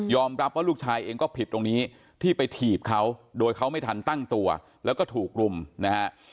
รับว่าลูกชายเองก็ผิดตรงนี้ที่ไปถีบเขาโดยเขาไม่ทันตั้งตัวแล้วก็ถูกรุมนะฮะ